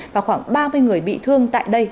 và khoảng ba mươi người bị thương tại đây